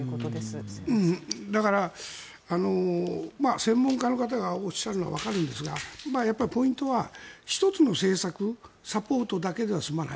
専門家の方がおっしゃるのはわかるんですがポイントは１つの政策サポートだけでは済まない。